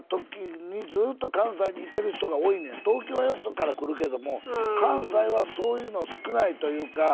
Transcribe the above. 東京はよそから来るけども関西はそういうの少ないというか。